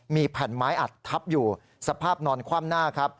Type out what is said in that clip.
มีแผ่นไม้อัดทับอยู่สภาพนอนคว่ำหน้าครับ